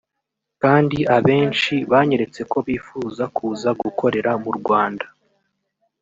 kandi abenshi banyeretse ko bifuza kuza gukorera mu Rwanda